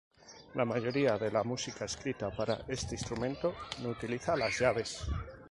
La mayoría de la música escrita para este instrumento no utiliza las llaves.